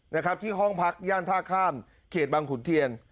นะครับที่ห้องพักย่านท่าข้ามเขตบังขุนเทียน